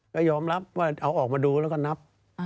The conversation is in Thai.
ก็ยอมรับว่าเอาออกมาดูแล้วก็นับ